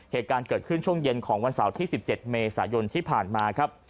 เหตุการณ์เกิดขึ้นช่วงเย็นของวันเสาร์ที่๑๗เมษายนที่ผ่านมาครับ